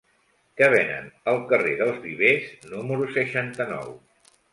Què venen al carrer dels Vivers número seixanta-nou?